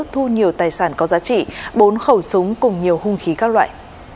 thu nhiều tài sản có giá trị bốn khẩu súng cùng nhiều hung khí các loại